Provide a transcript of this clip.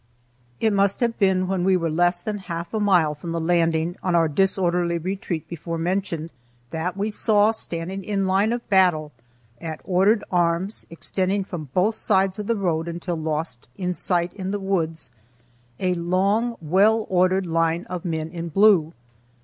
It must have been when we were less than half a mile from the landing on our disorderly retreat before mentioned, that we saw standing in line of battle, at ordered arms, extending from both sides of the road until lost to sight in the woods, a long, well ordered line of men in blue.